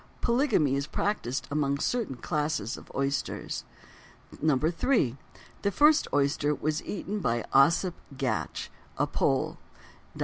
Polygamy is practised among certain classes of oysters. 3. The first oyster was eaten by Ossip Gatch, a Pole (d.